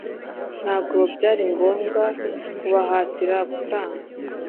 Ntabwo byari ngombwa kubahatira gutanga